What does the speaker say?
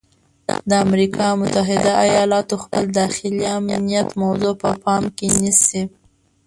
د امریکا متحده ایالات خپل داخلي امنیت موضوع په پام کې نیسي.